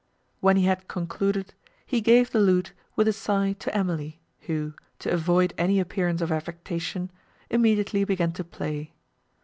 When he had concluded, he gave the lute with a sigh to Emily, who, to avoid any appearance of affectation, immediately began to play.